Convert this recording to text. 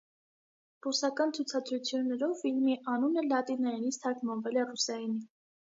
Ռուսական ցուցադրություններում ֆիլմի անունը լատիներենից թարգմանվել է ռուսերենի։